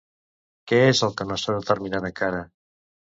Què és el que no s'ha determinat encara?